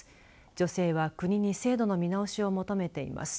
女性は国に制度の見直しを求めています。